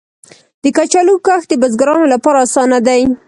د کچالو کښت د بزګرانو لپاره اسانه دی.